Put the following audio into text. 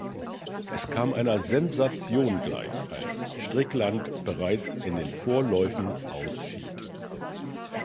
Es kam einer Sensation gleich, als Strickland bereits in den Vorläufen ausschied.